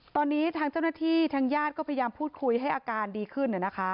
ตอนนี้ทางเจ้าหน้าที่ทางญาติก็พยายามพูดคุยให้อาการดีขึ้น